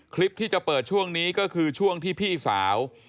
คลิปที่จะเปิดช่วงนี้ก็คือช่วงที่พี่สาว